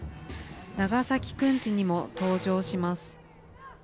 長崎くんちにも登場します。